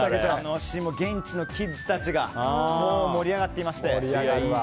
現地のキッズたちが盛り上がっていまして。